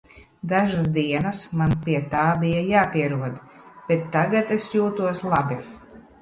Dažas dienas man pie tā bija jāpierod, bet tagad es jūtos labi.